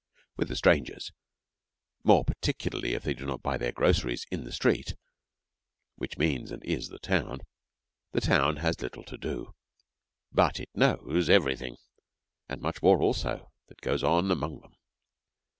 With the strangers, more particularly if they do not buy their groceries 'in the street,' which means, and is, the town, the town has little to do; but it knows everything, and much more also, that goes on among them.